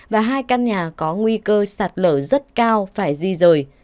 và hai căn nhà có nguy cơ sạt lở rất cao phải gì rồi